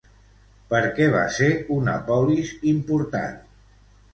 Per què va ser una polis important?